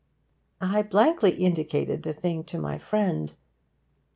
I blankly indicated the thing to my friend.